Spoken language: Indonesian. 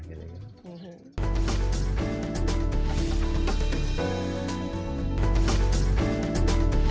untuk menjaga lingkungan